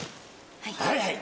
はいはい。